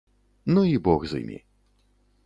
Ну і бог з імі.